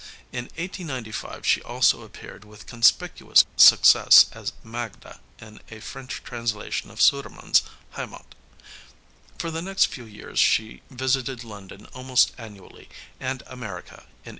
In 1895 she also appeared with conspicuous success as Magda in a French translation of Sudermann's Heimat. For the next few years she visited London almost annually, and America in 1896.